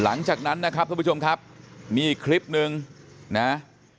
หลังจากนั้นนะครับทุ่มผู้ชมครับมีคลิปหนึ่งนะฮะ